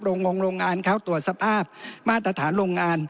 โรงงโรงงานเขาตรวจสภาพมาตรฐานโรงงาน